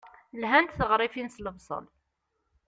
Lhant teɣrifin s lebṣel.